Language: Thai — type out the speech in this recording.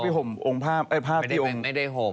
ไปนครพนมไม่ได้ห่มไม่ได้ห่ม